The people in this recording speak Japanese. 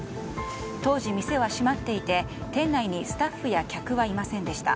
当時、店は閉まっていて店内にスタッフや客はいませんでした。